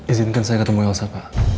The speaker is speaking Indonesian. izinkan saya ketemu yawasa pak